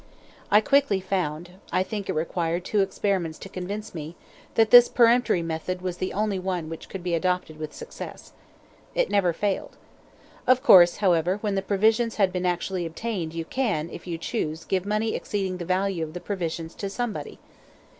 I quickly found (I think it required two experiments to convince me) that this peremptory method was the only one which could be adopted with success. It never failed. Of course, however, when the provisions have been actually obtained you can, if you choose, give money exceeding the value of the provisions to somebody.